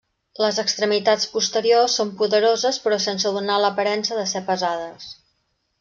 Les extremitats posteriors són poderoses però sense donar l'aparença de ser pesades.